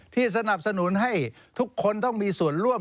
สนับสนุนให้ทุกคนต้องมีส่วนร่วม